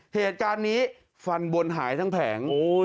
เหตุการณ์นี้ฟันบนหายทั้งแผง